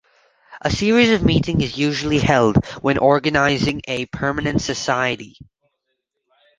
A series of meetings is usually held when organizing a permanent society.